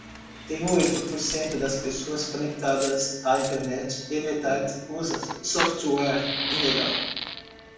Temos oito por cento das pessoas conectadas à Internet e metade usa software ilegal.